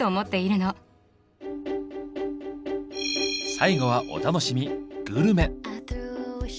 最後はお楽しみ「グルメ」。